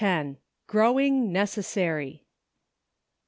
GROWING "NECESSARY."